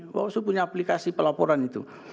bawaslu punya aplikasi pelaporan itu